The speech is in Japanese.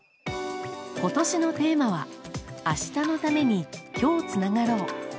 今年のテーマは「明日のために、今日つながろう。」。